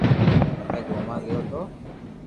پسي گومئوا گيو تو